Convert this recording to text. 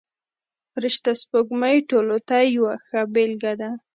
فرشته سپوږمۍ ټولو ته یوه ښه بېلګه ده.